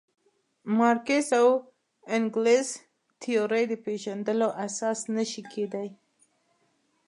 مارکس او انګلز تیورۍ د پېژندلو اساس نه شي کېدای.